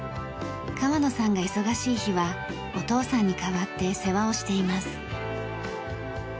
川野さんが忙しい日はお父さんに代わって世話をしています。